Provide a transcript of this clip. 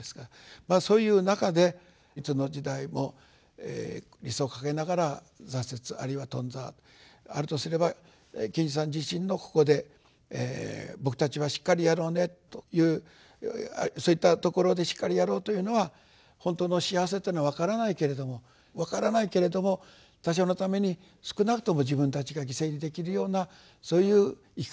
まあそういう中でいつの時代も理想を掲げながら挫折あるいは頓挫あるとすれば賢治さん自身のここで「僕たちはしっかりやろうね」というそういったところで「しっかりやろう」というのは本当の幸せっていうのは分からないけれども分からないけれども他者のために少なくとも自分たちが犠牲にできるようなそういう生き方をしようね。